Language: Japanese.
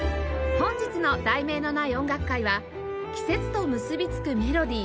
本日の『題名のない音楽会』は季節と結びつくメロディー！